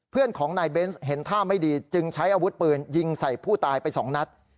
เพื่อนของนายเบนส์เห็นท่าไม่ดีจึงใช้อาวุธปืนยิงใส่ผู้ตายไปสองนัด